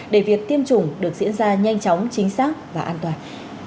để việc tiêm chủng được diễn ra nhanh chóng chính xác và an toàn